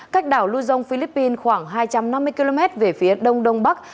cách đảo luzon philippines khoảng hai trăm năm mươi km về phía đông đông bắc